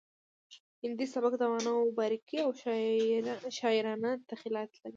هندي سبک د معناوو باریکۍ او شاعرانه تخیلات لري